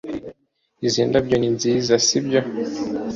izi ndabyo ni nziza, sibyo